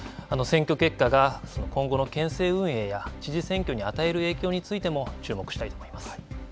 選挙結果が今後の県政運営や知事選挙に与える影響についても注目したいと思います。